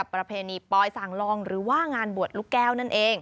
ประเภณีปลอยสางลองหรือว่างานบวชลุกแก้ว